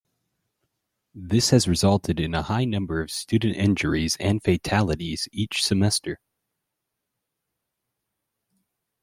This has resulted in a high number of student injuries and fatalities each semester.